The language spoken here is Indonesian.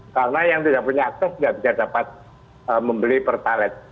karena yang tidak punya akses tidak bisa dapat membeli pertalite